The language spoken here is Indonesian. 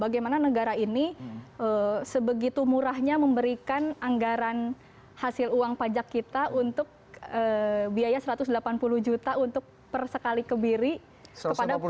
bagaimana negara ini sebegitu murahnya memberikan anggaran hasil uang pajak kita untuk biaya satu ratus delapan puluh juta untuk per sekali kebiri kepada publik